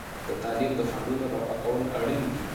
د تعلیم د خنډونو رفع کول اړین دي.